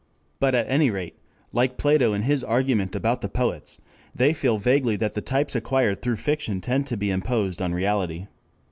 But at any rate, like Plato in his argument about the poets, they feel vaguely that the types acquired through fiction tend to be imposed on reality.